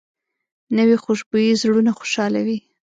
نوې خوشبويي زړونه خوشحالوي